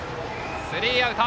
スリーアウト！